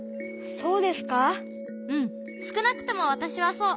そう。